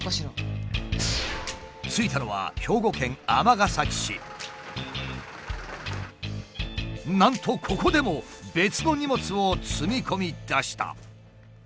着いたのはなんとここでも別の荷物を積み込みだした。